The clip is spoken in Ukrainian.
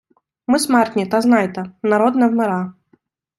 Ми смертні, Та знайте: народ не вмира